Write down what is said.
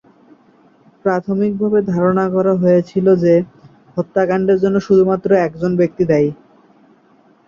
প্রাথমিকভাবে ধারণা করা হয়েছিল যে হত্যাকাণ্ডের জন্য শুধুমাত্র একজন ব্যক্তি দায়ী।